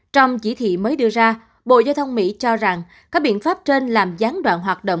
trong chỉ thị mới đưa ra bộ giao thông mỹ cho rằng các biện pháp trên làm gián đoạn hoạt động